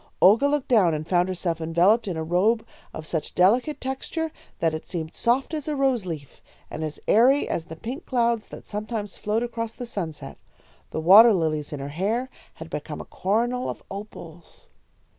Olga looked down and found herself enveloped in a robe of such delicate texture that it seemed soft as a rose leaf, and as airy as the pink clouds that sometimes float across the sunset. The water lilies in her hair had become a coronal of opals.